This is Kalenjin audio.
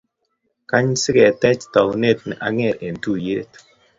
kany siketech taunet ne ang'er eng' tuyiet